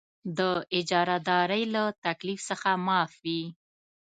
د اجاره دارۍ له تکلیف څخه معاف وي.